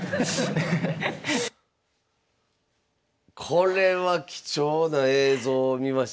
これは貴重な映像を見ましたね。